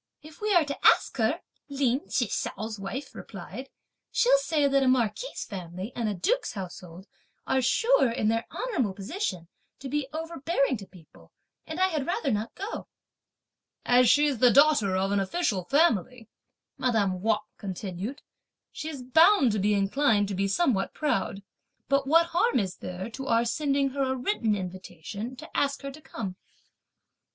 "If we are to ask her," Lin Chih hsiao's wife replied, "she'll say that a marquis' family and a duke's household are sure, in their honourable position, to be overbearing to people; and I had rather not go." "As she's the daughter of an official family," madame Wang continued, "she's bound to be inclined to be somewhat proud; but what harm is there to our sending her a written invitation to ask her to come!"